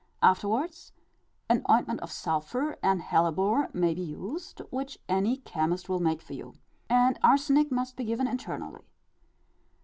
Afterwards, an ointment of sulphur and hellebore may be used, which any chemist will make for you, and arsenic must be given internally.